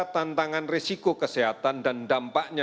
tantangan risiko kesehatan dan dampaknya